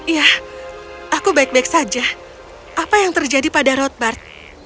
ya aku baik baik saja apa yang terjadi pada roadbat